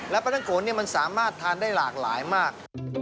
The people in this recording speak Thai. แล้วปังโกนี่มันสามารถทานได้หลากหลายมาก